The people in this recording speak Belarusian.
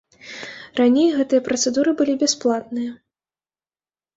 Раней гэтыя працэдуры былі бясплатныя.